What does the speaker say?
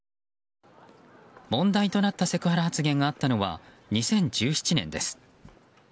問題となったセクハラ発言があったのは２０１７年です。